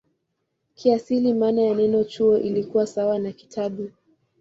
Kiasili maana ya neno "chuo" ilikuwa sawa na "kitabu".